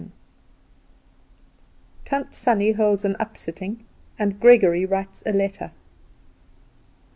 Tant Sannie Holds An Upsitting, and Gregory Writes A Letter.